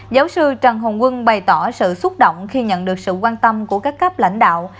giáo sư trần hồng quân bày tỏ sự xúc động khi nhận được sự quan tâm của các cấp lãnh đạo